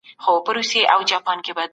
سالم ذهن کرکه نه خپروي.